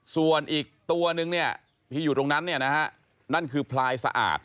ส่วนอีกตัวนึงที่อยู่ตรงนั้นนั่นคือพลายสะอาด